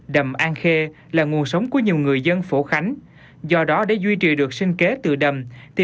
đầm an khê là nguồn sống của nhiều người dân phổ khánh do đó để duy trì được sinh kế từ đầm thì